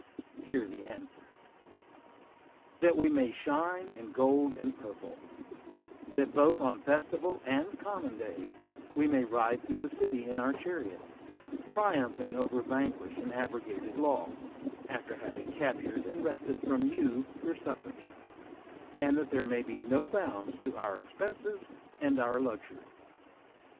Hear the answer: That we may shine in gold and purple; that, both on festival and common days, we may ride through the city in our chariots, triumphing over vanquished and abrogated law, after having captured and wrested from you your suffrages; and that there may be no bounds to our expenses and our luxury.